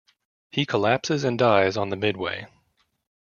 He collapses and dies on the midway.